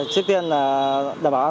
trước tiên là đảm bảo an toàn